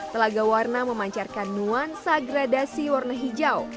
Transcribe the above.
telaga warna memancarkan nuansa gradasi warna hijau